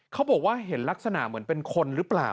เขาบอกว่าเห็นลักษณะเหมือนเป็นคนหรือเปล่า